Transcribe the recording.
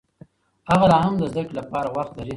هغه لا هم د زده کړې لپاره وخت لري.